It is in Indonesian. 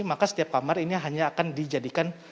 maka setiap kamar ini hanya akan dijadikan